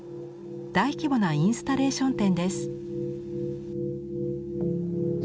大規模なインスタレーション展です。